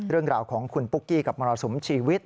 เรื่องราวของคุณปุ๊กกี้กับมรสุมชีวิต